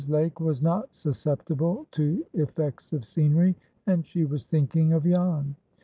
Lake was not susceptible to effects of scenery, and she was thinking of Jan.